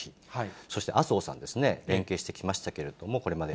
そして麻生さんですね、連携してきましたけれども、これまで。